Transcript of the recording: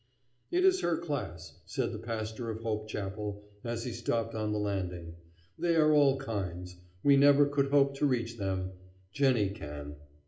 "It is her class," said the pastor of Hope Chapel, as he stopped on the landing. "They are all kinds. We never could hope to reach them; Jennie can.